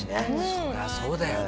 そりゃそうだよね。